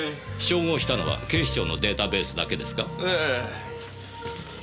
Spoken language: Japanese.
照合したのは警視庁のデータベースだけですか？